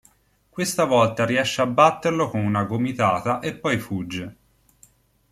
Questa volta riesce a batterlo con una gomitata e poi fugge.